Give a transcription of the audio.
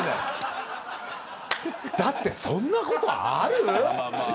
だって、そんなことある。